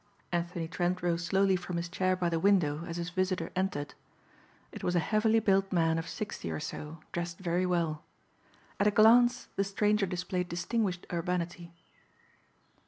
Anthony Trent rose slowly from his chair by the window as his visitor entered. It was a heavily built man of sixty or so dressed very well. At a glance the stranger displayed distinguished urbanity.